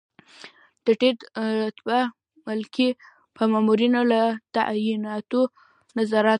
د ټیټ رتبه ملکي مامورینو له تعیناتو نظارت.